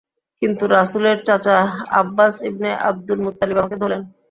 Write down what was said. কিন্তু রাসূলের চাচা আব্বাস ইবনে আবদুল মুত্তালিব আমাকে ধরলেন।